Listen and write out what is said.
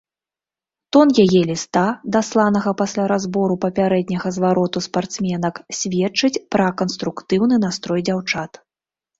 Тон яе ліста, дасланага пасля разбору папярэдняга звароту спартсменак, сведчыць пра канструктыўны настрой дзяўчат.